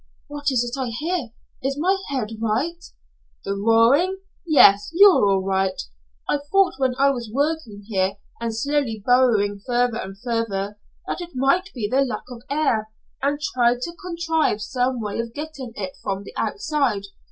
"What is it I hear? Is my head right?" "The roaring? Yes, you're all right. I thought when I was working here and slowly burrowing farther and farther that it might be the lack of air, and tried to contrive some way of getting it from the outside.